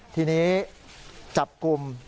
ทีนี้จับกลุ่ม